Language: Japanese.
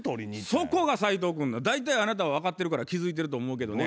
そこが斉藤君なん。大体あなたは分かってるから気付いてると思うけどね。